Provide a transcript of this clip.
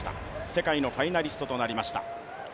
世界のファイナリストとなりました。